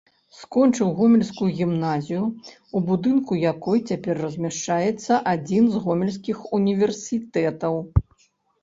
Скончыў гомельскую гімназію, у будынку якой цяпер размяшчаецца адзін з гомельскіх універсітэтаў.